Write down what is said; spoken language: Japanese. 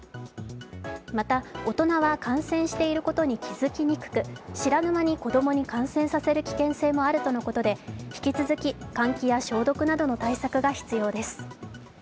また、大人は感染していることに気付きにくく知らぬ間に子供に感染させる危険性もあるとのことで引き続き換気や消毒などの対策が必要です。